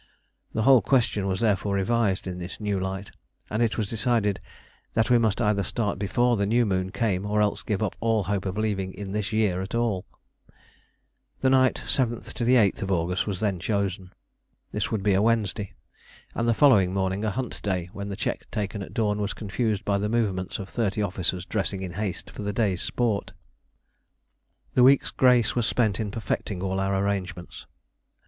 The whole question was therefore revised in this new light, and it was decided that we must either start before the new moon came or else give up all hope of leaving in this year at all. The night 7th 8th August was then chosen. This would be a Wednesday, and the following morning a hunt day, when the check taken at dawn was confused by the movements of thirty officers dressing in haste for the day's sport. The week's grace was spent in perfecting all our arrangements.